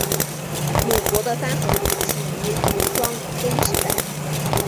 鲁国的三桓起于鲁庄公时代。